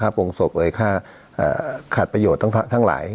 โปรงศพเอ่ยค่าขาดประโยชน์ทั้งหลาย